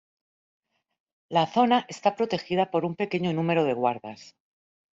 La zona está protegida por un pequeño número de guardas.